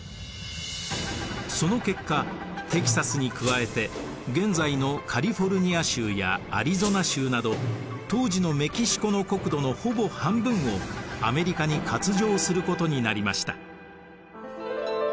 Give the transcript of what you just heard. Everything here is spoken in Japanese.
その結果テキサスに加えて現在のカリフォルニア州やアリゾナ州など当時のメキシコの国土のほぼ半分をアメリカに割譲することになりました。